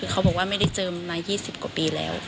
คือเขาบอกว่าไม่ได้เจอมา๒๐กว่าปีแล้ว